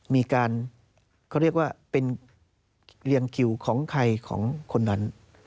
มีการเขาเรียกว่าเป็นเรียงคิวของใครของคนนั้น